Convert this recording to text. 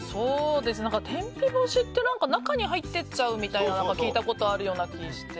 天日干しって、中に入っていっちゃうみたいなことを聞いたことあるような気がして。